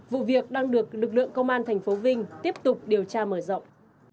vụ việc đang được lực lượng công an tp vinh tiếp tục điều tra mở rộng